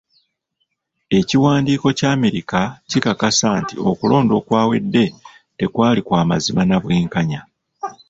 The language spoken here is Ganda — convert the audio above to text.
Ekiwandiiko kya Amerika kikakasa nti okulonda okwawedde tekwali kwa mazima nabwenkanya.